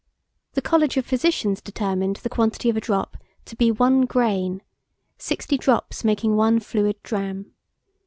The College of Physicians determined the quantity of a drop to be one grain, 60 drops making one fluid drachm.